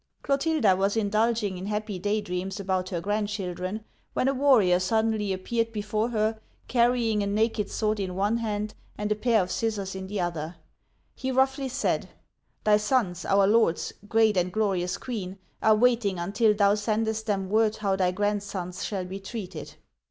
Clotilda was indulging in happy daydreams about her grandchildren, when a warrior suddenly appeared before her, carrying a naked sword in one hand, and a pair of scissors in the other. He roughly said: "Thy sons, our lords, great and glorious queen, are waiting until thou sendest them word how thy grandsons shall be treated.